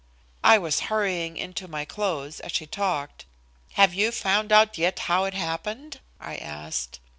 I was hurrying into my clothes as she talked. "Have you found out yet how it happened?" I asked.